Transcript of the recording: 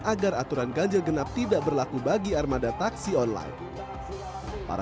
agar aturan ganjil genap tidak berlaku bagi armada taksi online para